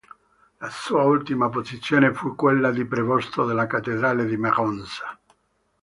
La sua ultima posizione fu quella di prevosto della cattedrale di Magonza.